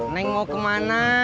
neng mau kemana